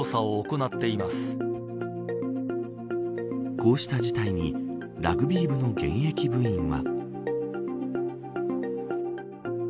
こうした事態にラグビー部の現役部員は。